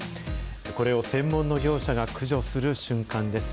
これを専門の業者が駆除する瞬間です。